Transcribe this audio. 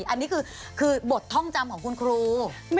อันนี้คือบทท่องจำของคุณครู